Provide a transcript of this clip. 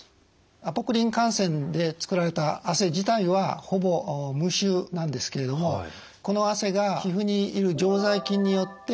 アポクリン汗腺で作られた汗自体はほぼ無臭なんですけれどもこの汗が皮膚にいる常在菌によって分解されます。